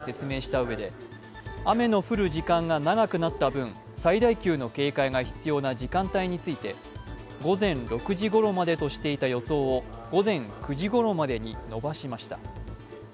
気象庁は新潟県や山形県の記録的な大雨の理由をこのように説明したうえで、雨の降る時間が長くなった分最大級の警戒が必要な時間帯について午前６時ごろまでとしていた予想を午前９時ごろまでに延ばしました。